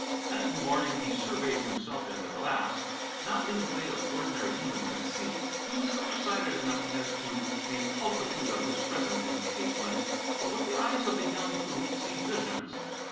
Night and morning he surveyed himself in the glass. Not in the way of ordinary human conceit; he was clear sighted enough as to the pulchritude of his present encasement; but with the eyes of the young who see visions.